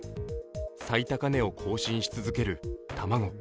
最高値を更新し続ける卵。